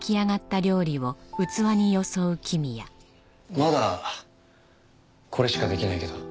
まだこれしかできないけど。